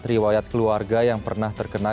riwayat keluarga yang pernah terkena